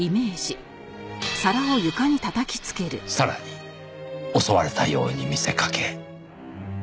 さらに襲われたように見せかけ。